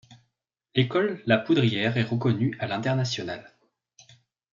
L'école La Poudrière est reconnue à l'international.